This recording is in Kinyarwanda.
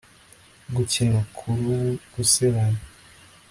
Gukina kurubu gusebanya